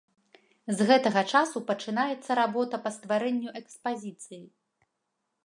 З гэтага часу пачынаецца работа па стварэнню экспазіцыі.